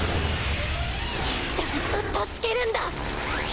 ちゃんと助けるんだ！